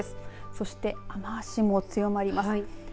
そして雨足も強まります。